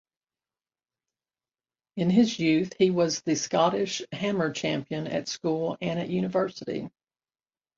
In his youth he was Scottish hammer champion at school and at university.